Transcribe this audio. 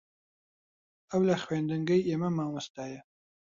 ئەو لە خوێندنگەی ئێمە مامۆستایە.